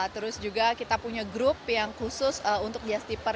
terus juga kita punya grup yang khusus untuk jazeeper